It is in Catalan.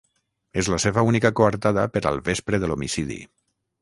És la seva única coartada per al vespre de l'homicidi.